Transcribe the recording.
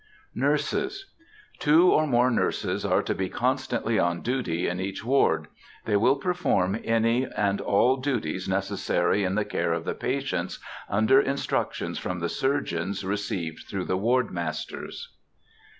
NURSES. Two or more nurses are to be constantly on duty in each ward. They will perform any and all duties necessary in the care of the patients, under instructions from the surgeons received through the ward masters.